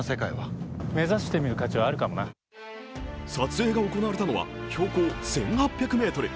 撮影が行われたのは標高１８００ｍ。